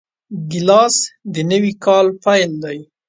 ګیلاس د نوي کاله پیل دی.